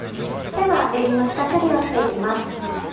ではえびの下処理をして行きます。